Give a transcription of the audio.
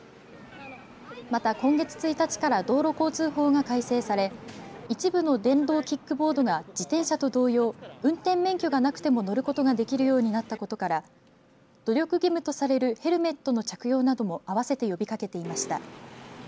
また、今月１日から道路交通法が改正され一部の電動キックボードが自転車と同様運転免許がなくても乗ることができるようになったことから努力義務とされるヘルメットの着用なども合わせて呼びかけていました。